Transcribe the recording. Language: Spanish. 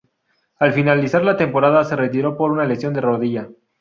Al finalizar la temporada, se retiró por una lesión de rodilla.